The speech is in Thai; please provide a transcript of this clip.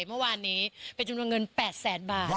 เมื่อวานนี้เป็นจำนวนเงิน๘แสนบาท